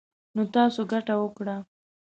نـو تـاسو ګـټـه وكړه.